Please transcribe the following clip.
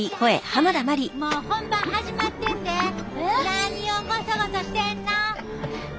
何をごそごそしてんの？